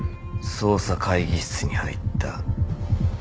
捜査会議室に入った。